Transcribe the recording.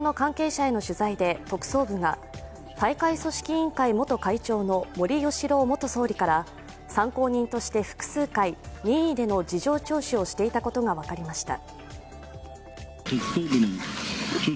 その後の関係者への取材で、特捜部が大会組織委員会元会長の森喜朗元総理から参考人として複数回、任意での事情聴取をしていたことが分かりました。